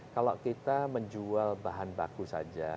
kalau kita menjual bahan baku saja